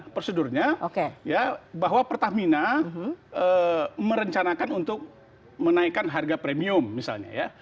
prosedurnya bahwa pertamina merencanakan untuk menaikkan harga premium misalnya